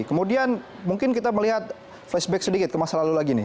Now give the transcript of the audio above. kemudian mungkin kita melihat flashback sedikit ke masa lalu lagi nih